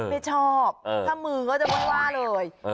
ไม่ชอบถ้ามือก็จะไม่ว่าเลย